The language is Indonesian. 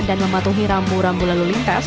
mematuhi rambu rambu lalu lintas